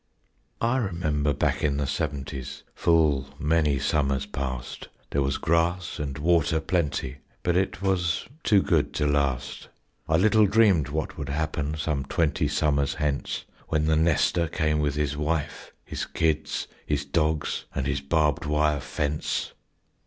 "I remember back in the seventies, Full many summers past, There was grass and water plenty, But it was too good to last. I little dreamed what would happen Some twenty summers hence, When the nester came with his wife, his kids, His dogs, and his barbed wire fence."